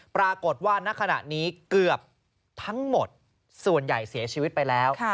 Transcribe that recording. ปรากฏว่าณขณะนี้เกือบทั้งหมดส่วนใหญ่เสียชีวิตไปแล้ว